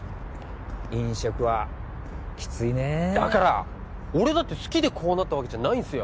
飲食はきついねえだから俺だって好きでこうなったわけじゃないんすよ